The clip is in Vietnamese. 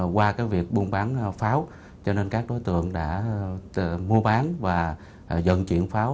qua việc buôn bán pháo cho nên các đối tượng đã mua bán và dần chuyển pháo